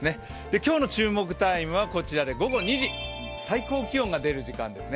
今日の注目タイムはこちらで午後２時、最高気温が出る時間ですね。